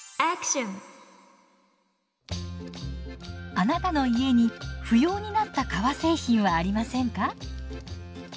あなたの家に不要になった革製品はありませんか？